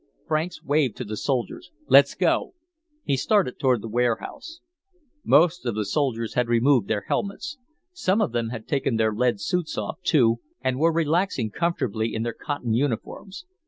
Franks waved to the soldiers. "Let's go." He started toward the warehouse. Most of the soldiers had removed their helmets. Some of them had taken their lead suits off, too, and were relaxing comfortably in their cotton uniforms.